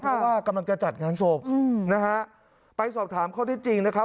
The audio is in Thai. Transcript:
เพราะว่ากำลังจะจัดงานศพนะฮะไปสอบถามข้อที่จริงนะครับ